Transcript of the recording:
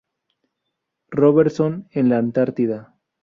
Robertson en la Antártida.